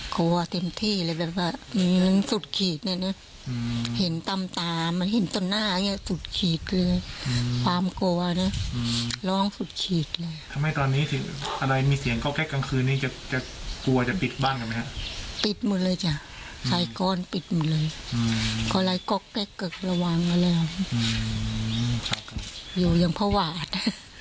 ใกล้เก๊กระวังแล้วแล้วอยู่อย่างพระวาส